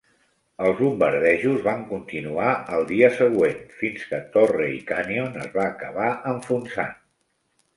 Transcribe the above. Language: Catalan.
Els bombardejos van continuar el dia següent, fins que "Torrey Canyon" es va acabar enfonsant.